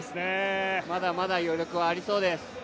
まだまだ余力はありそうです。